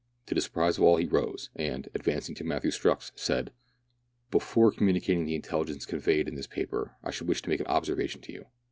To the surprise of all he rose, and, advancing to Matthew Strux, said, —" Before communicating the intelligence conveyed in this paper, I should wish to make an observation to you."